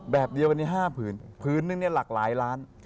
แบบเดียวกันนี้๕ผืนผืนนึงเนี่ยหลากหลายล้าน